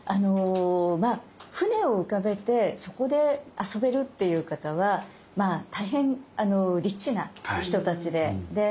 船を浮かべてそこで遊べるっていう方は大変リッチな人たちで。